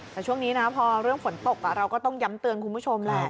แต่ช่วงนี้นะพอเรื่องฝนตกเราก็ต้องย้ำเตือนคุณผู้ชมแหละ